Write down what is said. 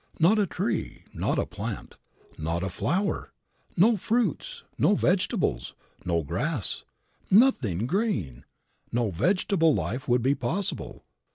Not a tree, not a plant, not a flower, no fruits, no vegetables, no grass, nothing green, no vegetable life would be possible.